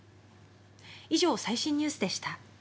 以上、最新ニュースでした。